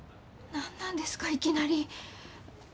何なんですかいきなり。